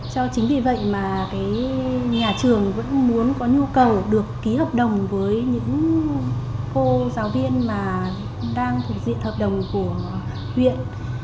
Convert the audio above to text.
cho chính vì vậy mà nhà trường vẫn muốn có nhu cầu được ký hợp đồng với những cô giáo viên mà đang thuộc diện hợp đồng của huyện